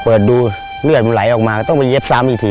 เปิดดูเลือดมันไหลออกมาก็ต้องไปเย็บซ้ำอีกที